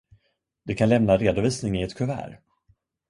Du kan lämna redovisning i ett kuvert.